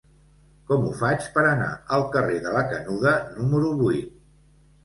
Com ho faig per anar al carrer de la Canuda número vuit?